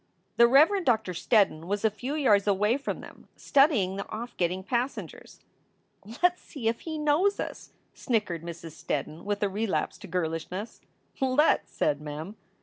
The Reverend Doctor Steddon was a few yards away from them, studying the off getting passengers. "Let s see if he knows us," snickered Mrs. Steddon, with a relapse to girlishness. "Let s!" said Mem.